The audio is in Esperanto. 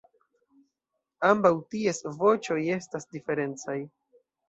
Ambaŭ ties voĉoj estas diferencaj.